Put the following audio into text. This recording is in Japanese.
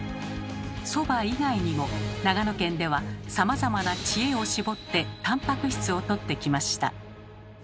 そば以外にも長野県ではさまざまな知恵を絞ってタンパク質をとってきました。